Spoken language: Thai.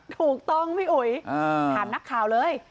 ถูกต้องถามนักข่าวเลย